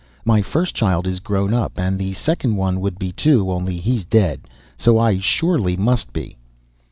My first child is grown up, and the second one would be, too, only he's dead. So I surely must be."